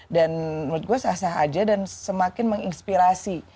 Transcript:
dan menurut gue sah sah aja dan semakin menginspirasi